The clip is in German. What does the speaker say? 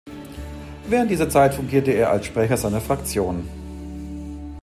Während dieser Zeit fungierte er als Sprecher seiner Fraktion.